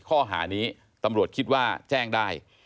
ข้อหานี้ตำรวจคิดว่าแจ้งได้